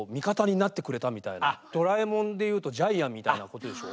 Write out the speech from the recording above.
「ドラえもん」で言うとジャイアンみたいなことでしょ？